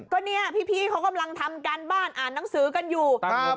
ก็เนี่ยพี่เขากำลังทำการบ้านอ่านหนังสือกันอยู่ครับ